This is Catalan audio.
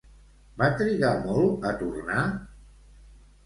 Va trigar molt a tornar?